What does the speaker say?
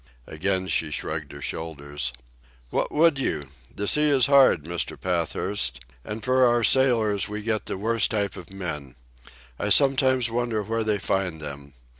Again she shrugged her shoulders. "What would you? The sea is hard, Mr. Pathurst. And for our sailors we get the worst type of men. I sometimes wonder where they find them.